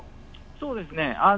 そうですね。